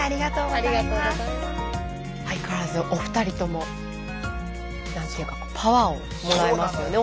相変わらずお二人とも何ていうかパワーをもらえますよね。